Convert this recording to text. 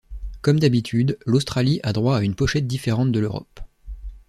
Comme d'habitude, l'Australie a droit à une pochette différente de l'Europe.